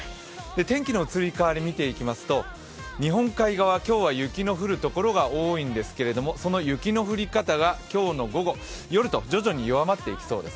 天気の移り変わり見ていきますと日本海側今日は雪の降る所が多いんですけど、その雪の降り方が、今日の午後、夜と徐々に弱まっていきそうです。